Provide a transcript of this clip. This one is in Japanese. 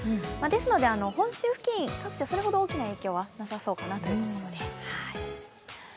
ですので本州付近、各地それほど大きな影響はなさそうです。